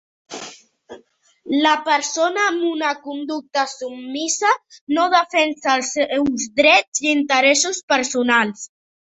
La persona amb una conducta submisa no defensa els seus drets i interessos personals.